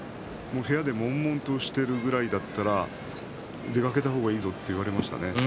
部屋でもんもんとしているぐらいなら出かけた方がいいぞと言われました。